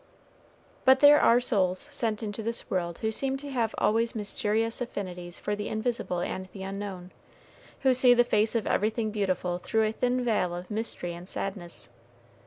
But there are souls sent into this world who seem to have always mysterious affinities for the invisible and the unknown who see the face of everything beautiful through a thin veil of mystery and sadness.